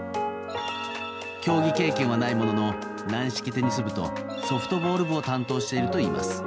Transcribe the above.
競技経験はないものの軟式テニス部とソフトボール部を担当していたといいます。